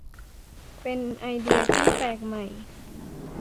เป็นไอเดียที่แปลกใหม่